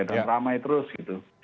dan ramai terus gitu